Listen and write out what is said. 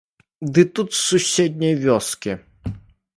Ды тут, з суседняй вёскі.